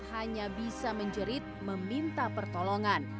hanya bisa menjerit meminta pertolongan